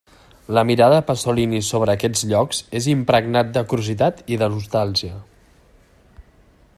La mirada de Pasolini sobre aquests llocs és impregnat de curiositat i de nostàlgia.